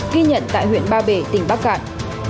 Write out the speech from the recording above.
ghi nhận tại huyện ba bể tỉnh bắc cạn